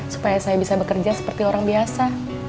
supaya saya bisa bekerja seperti orang biasa